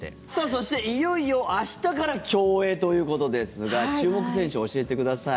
そして、いよいよ明日から競泳ということですが注目選手教えてください。